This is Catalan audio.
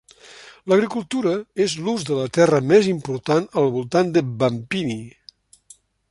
L'agricultura és l'ús de la terra més important al voltant de Bampini.